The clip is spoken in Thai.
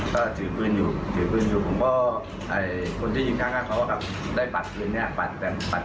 กลุ่มผู้เสียชีวิตกำลังจะพาพวกมาทำร้าย